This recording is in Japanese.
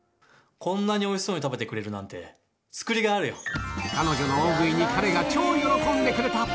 こんなにおいしそうに食べてくれるなんて、彼女の大食いに彼が超喜んでくれた。